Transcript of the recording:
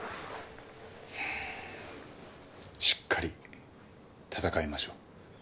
しっかり闘いましょう。